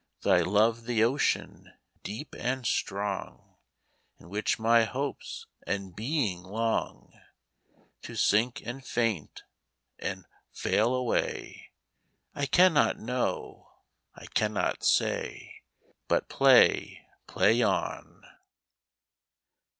Thy love the ocean, deep and strong, In which my hopes and being longTo sink and faint and fail away?I cannot know. I cannot say. But play, play on.